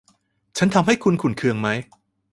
ฉันทำให้คุณขุ่นเคืองไหม